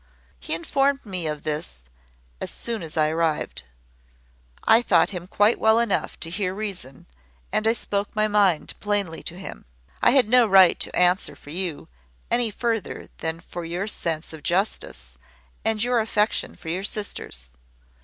He informed me of this, as soon as I arrived. I thought him quite well enough to hear reason, and I spoke my mind plainly to him. I had no right to answer for you, any further than for your sense of justice, and your affection for your sisters.